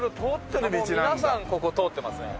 皆さんここ通ってますね。